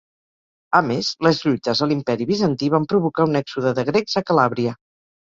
A més, les lluites a l'Imperi Bizantí van provocar un èxode de grecs a Calàbria.